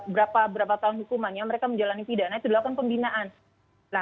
berapa tahun hukumannya mereka menjalani pidana